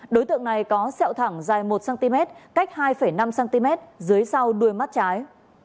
đối tượng này có sẹo thẳng dài một cm cách hai năm cm dưới sau đuôi mắt trái